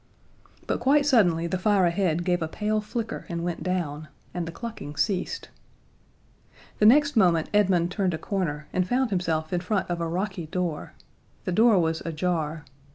But quite suddenly the fire ahead gave a pale flicker and went down; and the clucking ceased. The next moment Edmund turned a corner and found himself in front of a rocky door. The door was ajar.